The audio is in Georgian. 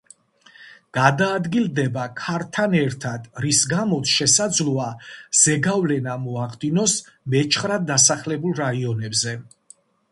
გადაადგილდება ქართან ერთად, რის გამოც შესაძლოა ზეგავლენა მოახდინოს მეჩხრად დასახლებულ რაიონებზე.